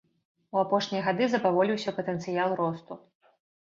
У апошнія гады запаволіўся патэнцыял росту.